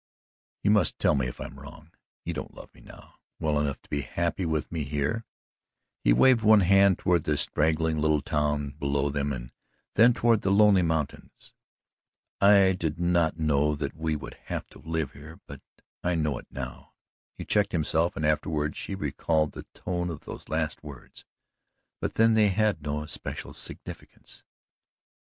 "You must tell me if I am wrong. You don't love me now well enough to be happy with me here" he waved one hand toward the straggling little town below them and then toward the lonely mountains "I did not know that we would have to live here but I know it now " he checked himself, and afterward she recalled the tone of those last words, but then they had no especial significance.